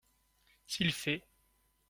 S’il fait.